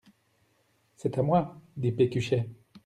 C'est à moi ! dit Pécuchet.